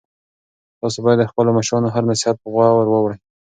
تاسو باید د خپلو مشرانو هر نصیحت په غور واورئ.